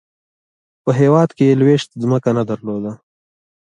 په هیواد کې یې لویشت ځمکه نه درلوده.